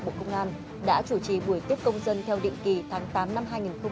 bộ công an đã chủ trì buổi tiếp công dân theo định kỳ tháng tám năm hai nghìn hai mươi